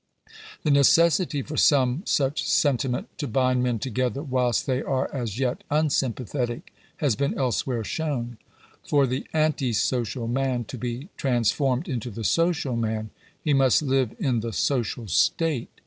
The neces sity for some such sentiment to bind men together whilst they are as yet unsympathetic, has been elsewhere shown. For the 1 and social man to be transformed into the social man, he must > live in the social state.